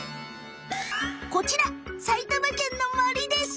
こちら埼玉けんの森です。